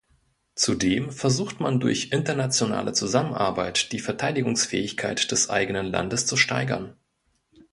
Zudem versucht man durch internationale Zusammenarbeit die Verteidigungsfähigkeit des eigenen Landes zu steigern.